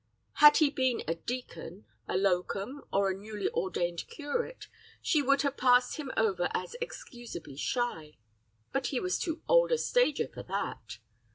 Had he been a deacon, a locum, or a newly ordained curate, she would have passed him over as excusably shy; but he was too old a stager for that.